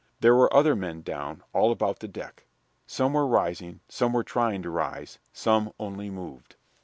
There were other men down, all about the deck. Some were rising; some were trying to rise; some only moved.